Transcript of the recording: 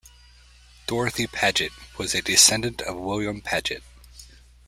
Dorothy Paget was a descendant of William Paget.